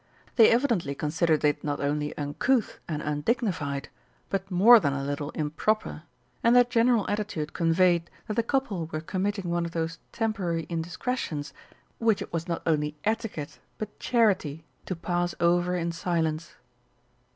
They evidently considered it not only uncouth and undignified, but more than a little improper, and their general attitude conveyed that the couple were committing one of those temporary indiscretions which it was not only etiquette but charity to pass over in silence.